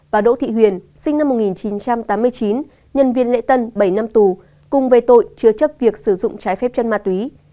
và đỗ thị huyền sinh năm một nghìn chín trăm tám mươi chín nhân viên lễ tân bảy năm tù cùng về tội chứa chấp việc sử dụng trái phép chân ma túy